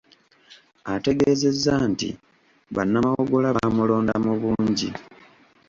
Ategeezezza nti bannamawogola baamulonda mu bungi.